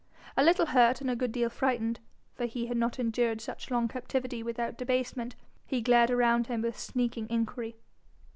A little hurt and a good deal frightened, for he had not endured such long captivity without debasement, he glared around him with sneaking enquiry.